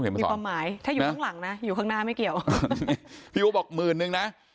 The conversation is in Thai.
มีความหมายถ้าอยู่ข้างหลังนะอยู่ข้างหน้าไม่เกี่ยวพี่อู๋บอกหมื่นนึงนะ